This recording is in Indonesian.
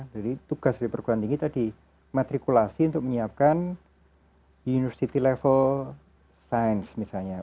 jadi tugas perkembangan tinggi tadi matrikulasi untuk menyiapkan di university level science misalnya